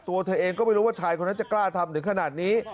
ตัวเธอเองก็ไม่รู้ว่าชายคนนั้นจะกล้าทำถึงขนาดนี้